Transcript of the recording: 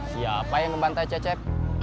siapa yang membantai cecep